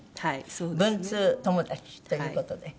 文通友達という事で。